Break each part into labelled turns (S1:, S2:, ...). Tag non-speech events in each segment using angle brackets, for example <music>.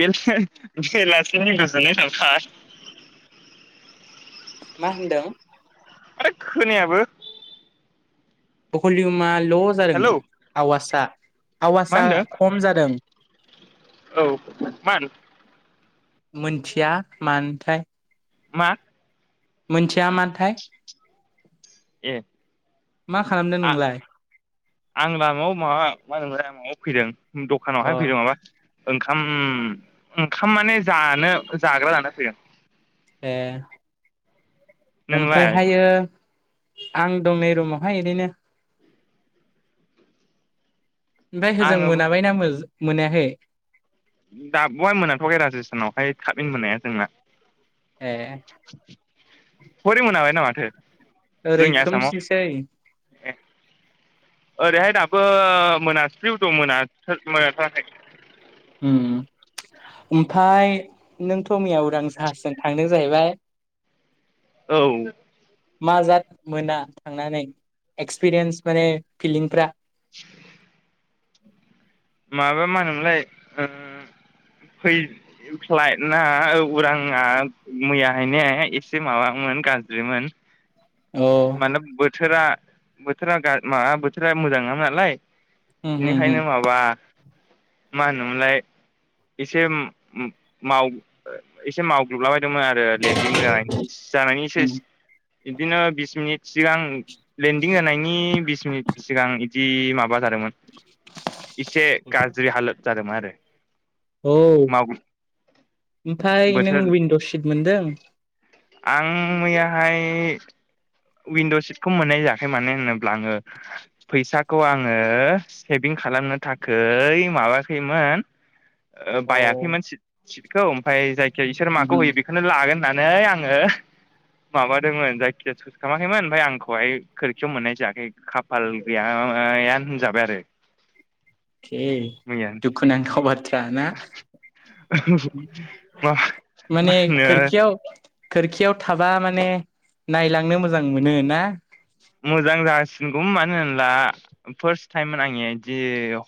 S1: बे बेलासिनि गोजोननाय थाबाय
S2: मा होनदों
S1: आरे खोनायाबो
S2: <unintelligible> ल'
S1: हेलौ
S2: जादों आवासआ
S1: मा
S2: आवासआ
S1: होनदों
S2: खम जादों
S1: औ मान
S2: मिथिया मानोथाय
S1: मा
S2: मोनथिया माथाय
S1: ए
S2: मा खालामदों
S1: आ-
S2: नोंलाय
S1: आं लामायाव मा मा होन मायाव फैदों
S2: अ
S1: दखानावहाय फैदों नाबा ओंखाम ओम ओंखाम माने जानो जाग्रा लाना फैगोन
S2: ए
S1: नोंलाय
S2: ओमफ्रायहायो आं दं नै रुमावहाय एरदिनो ओमफ्राय होजों
S1: आङो
S2: मोनाबायना मोनहायाखै
S1: <unintelligible>
S2: ए
S1: हरै मोनाबायना माथो
S2: ओरै
S1: जोंनि आसामाव
S2: खोमसिसै
S1: ए ओरैहाय दाबो मोनासि दं मोनाथाराखै
S2: ओमफ्राय नोंथ मैया उरां जाहाजजों थांदों जाहैबाय
S1: औ
S2: मा जा मोना थांनानै एक्सपिरियेन्स माने फिलिंफ्रा
S1: <inaudible>
S2: <inaudible>
S1: माबा मा होनोमोनलाय फै फ्लाइटना उराङा मैयाहाय ने एसे माबामोन गाज्रिमोन
S2: अ
S1: माने बोथोरा बोथोरा माबा बोथोरा मोजां नङामोन नालाय
S2: उम उम
S1: बेनिखायनो माबा मा होनोमोनलाय एसे माव एसे मावग्रोबलाबाय लेण्डिं जानायनि एसे
S2: उम
S1: बिदिनो बिस मिनिट सिगां लेन्दिं होनायनि बिस मिनिट सिगां बिदि माबा जादोंमोन एसे गाज्रि हालोद जादोंमोन आरो
S2: औ
S1: माव
S2: ओमफ्राय नों
S1: बोथोर
S2: विन्द' सिट मोनदों
S1: आं मैयाहाय विन्द' सिटखौ मोननाय जायाखै मानो होनोब्ला आङो फैसाखौ आङो सेभिं खालामनो थाखै माबायाखैमोन
S2: अ
S1: बायाखैमोन सिटखौ ओमफ्राय जाय इसोर मा होयो
S2: अके
S1: बेखौनो लागोन आङो माबादोंमोन जायखिजाया खालामाखैमोन ओमफ्राय आंखौहाय खोरोखियाव मोननाय जायाखै खाफाल गैया होनजाबाय आरो
S2: दे
S1: मैया
S2: दुखुनांथाव बाथ्रा ना
S1: मा मा
S2: माने
S1: होनो
S2: खोरखियाव खोरखियाव थाबा माने नायलांनो मोजां मोनो ना
S1: मोजां जासिनगौ मानो होन्ला फार्स्ट टाइममोन आंनिया बिदि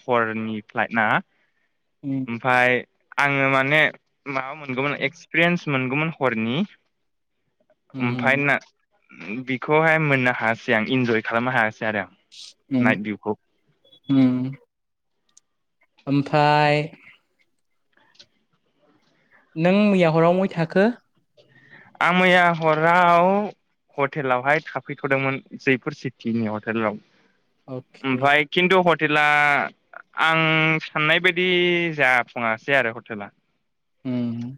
S1: हरनि फ्लाइट ना
S2: उम
S1: ओमफ्राय आङो माने माबा मोनगौमोन एक्सपिरियेन्स मोनगौमोन हरनि
S2: उम
S1: ओमफ्रायना बिखौहाय मोननो हायासै आं इन्जय खालामनो हायासै आरो आं
S2: उम
S1: नाइट भिउखौ
S2: हम ओमफाय नों मैया हराव महाय थाखो
S1: आं मैया हराव हटेलावहाय थाफैथ'दोंमोन जैफोर सिटिनि हटेलाव
S2: अके
S1: ओमफ्राय खिन्थु हटेला आं साननाय बायदि जाफुङासै आरो हटेला
S2: हम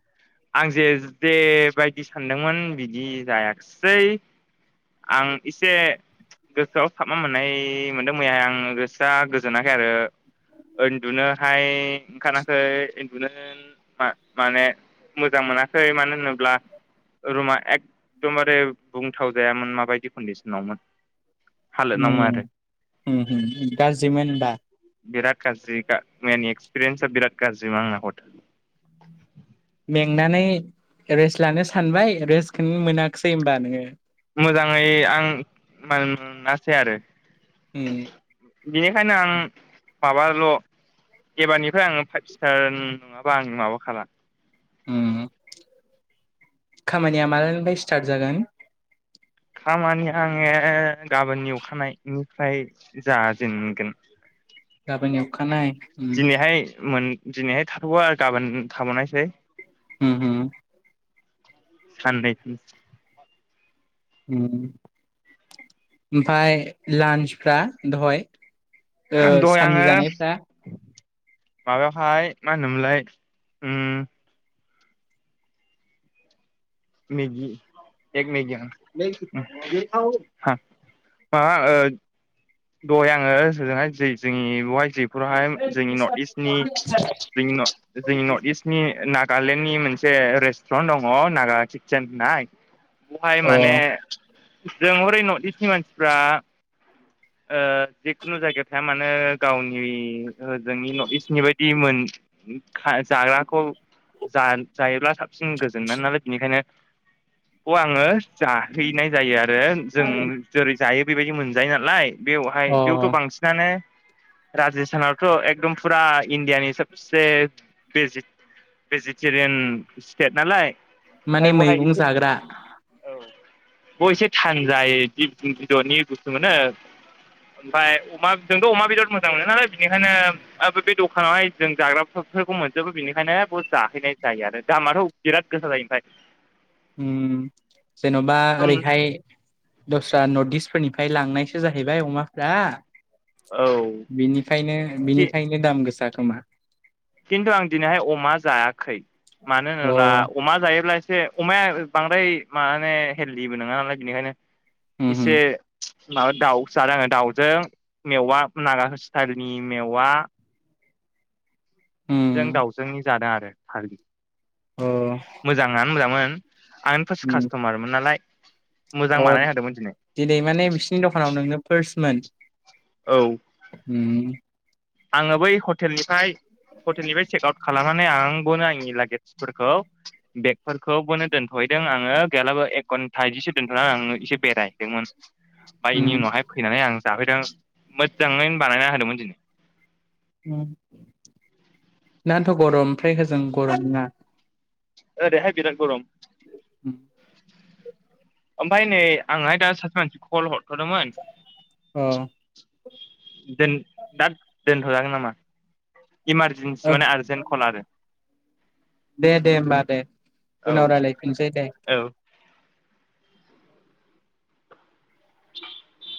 S1: आं जे जे बायदि सानदोंमोन बिदि जायाखिसै आं एसे गोसोआव साबना मोननाय मोनदों मैयाहाय आं गोसोआ गोजोनाखै आरो उन्दुनोहाय ओंखाराखै उन्दुनो माने मोजां मोनाखै मानो होनोब्ला रुमा एक एकदमबारे बुंथावा जायामोन माबायदि कन्डिसनावमोन हालोदावमोन आरो
S2: हम हम हम गाज्रिमोन होमबा
S1: बिराद गाज्रि मैयानि एक्सपिरियेन्सा बिराद गाज्रिमोन आंना हटेल
S2: थांनानै रेस्ट लानो सानबाय रेस्टखौनो मोनाखिसै होमबा नोङो
S1: मोजाङै आं मोनासै आरो
S2: उम
S1: बेनिखायनो आं माबाल' एबारनिफ्राय आङो फाइभ स्टार नङाबा आं माबा खाला
S2: खामानिया मालानिफ्राय स्टार्ट जागोन
S1: खामानिया आङो गाबोननि अखानायनायनिफ्राय जाजेनगोन
S2: गाबोन एवखानाय उम
S1: दिनैहाय मोन दिनैहाय थाथ'बा आरो गाबोन थाबावनायसै
S2: हम हम
S1: साननै
S2: ओमफाय लान्सफ्रा दहाय
S1: दहाय
S2: साननि
S1: आङो
S2: जानायफ्रा
S1: माबायावहाय मा होनोमोनलाय मेगि एक मेगि आं मा दहाय आङो होजोंहाय जोंनि बेहाय फोरावहाय जोंनि नर्थ इस्टनि जोंनि नर्थ इस्टनि नागालेण्डनि मोनसे रेस्टुरेन्ट दङ नागा कितचेन होननाय बेहाय
S2: अ
S1: माने जों हरै नर्थ इस्टनि मानसिफ्रा जिखुनु जायगायाव थाया मानोे गावनि जोंनि नर्थ इस्टनि बायदि मोन जाग्राखौ जायोब्ला साबसिन गोजोन नो नालाय बेनिखायनो आङो जाहैनाय जायो आरो जों जेरै जायो बेबायदि मोनजायो नालाय बेवहाय
S2: अ
S1: बेयावथ' बांसिनानो राजस्थानावथ' एकदम फुरा इण्डियानि सबसे भेजिटेरियान स्टेट नालाय ओमफ्राय
S2: माने
S1: बहाय
S2: मैगं
S1: एसे
S2: जाग्रा
S1: औ बे एसे थाङो जाय <unintelligible> मोनो ओमफ्राय अमा जोंथ' अमा बिराद मोजां मोनो नालाय बिनिखायनो बे दखानावहाय जों जाग्राफोरखौ मोनजोबो बेनिखायनो बाव जाहैनाय जायो आरो दामाथ' बिराद गोसा जायो ओमफ्राय
S2: जेन'बा
S1: ओमफ्राय
S2: ओरैहाय दस्रा नर्थ इस्टफोरनिफ्राय लांनायसो जाहैबाय अमाफ्रा
S1: औ
S2: बिनिफायनो बिनिखायनो दाम गोसा खोमा
S1: किन्थु हाय दिनै आं अमा जायाखै। मानो
S2: अ
S1: होनोब्ला अमा जायोब्ला एसे अमाया बांद्राय माने हेलदिबो नङा नालाय बेनिखायनो
S2: उम
S1: इसे
S2: उम
S1: माबा दाउ जादों आङो दाउजों मेवा नागा स्टाइलनि मेवा जों
S2: उम
S1: दाउजोंनि जादों आरो
S2: अ
S1: <inaudible> मोजाङानो मोजांमोन। आंनो फार्स्ट
S2: उम
S1: कासट'मारमोन नालाय मोजां
S2: अ
S1: बानायना होदोंमोन
S2: दिनै माने बिसिनि दखानाव नोंनो पार्समोन
S1: औ
S2: उम
S1: आङो बै हटेलनिफ्राय हटेलनिफ्राय चेक आउट खालामनानै आंबोनो आंनि लागेजफोरखौ बेगफोरखौबोनो दोनथ'हैदों आङो गैयालाबो एक घन्टा इदिसो दोन्थ'नानै आङो एसे बेरायहैदोंमोन। ओमफ्राय बेनि
S2: उम
S1: उनावहाय फैनानै आं जाफैदों मोजाङैनो बानायना होदोंमोन दिनै
S2: दाथ' गरम ओमफ्राय होजों गरम नङा
S1: ओरैहाय बिराद गरम
S2: उम
S1: ओमफ्राय नै आंहाय दा सासे मानसिखौ कल हरथ'दोंमोन।
S2: औ
S1: दोन दा दोनथ' जागोन नामा? इमारजेन्सि
S2: औ
S1: माने आर्जेन्ट कल आरो
S2: दे दे होमबा दे
S1: औ
S2: उनाव रायलायफिनसै दे
S1: औ <inaudible>